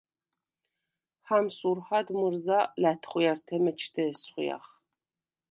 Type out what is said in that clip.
ჰამს ურჰად მჷრზა ლა̈თხვართე მეჩდე ესხვიახ.